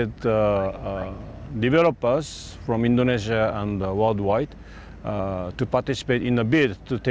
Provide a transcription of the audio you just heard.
kami melakukan itu dan kami memiliki perusahaan di tahun dua ribu enam